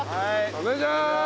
お願いしまーす。